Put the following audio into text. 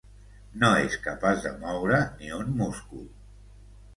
No és capaç de moure ni un múscul.